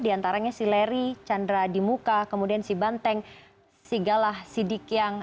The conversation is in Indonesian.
diantaranya si leri chandra dimuka kemudian si banteng si galah si dikyang